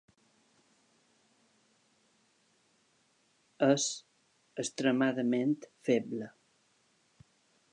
És extremadament feble.